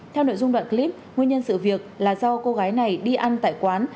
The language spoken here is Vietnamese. theo nội dung đoạn clip nguyên nhân sự việc là do cô gái này đi ăn tại quán